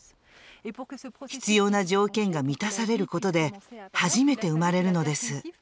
必要な条件が満たされることで初めて生まれるのです。